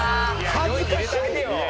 恥ずかしい！